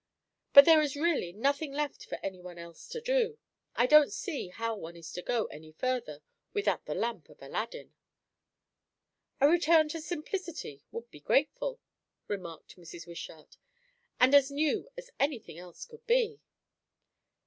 But there is really nothing left for any one else to do. I don't see how one is to go any further without the lamp of Aladdin." "A return to simplicity would be grateful," remarked Mrs. Wishart. "And as new as anything else could be."